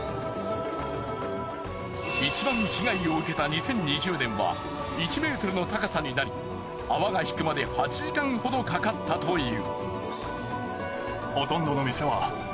一番被害を受けた２０２０年は１ｍの高さになり泡が引くまで８時間ほどかかったという。